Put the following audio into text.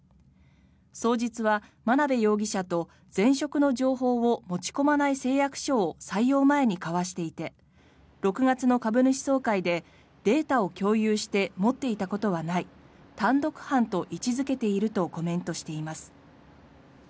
双日は眞鍋容疑者と前職の情報を持ち込まない誓約書を採用前に交わしていて６月の株主総会でデータを共有して持っていたことはない単独犯と位置付けているとコメントしています。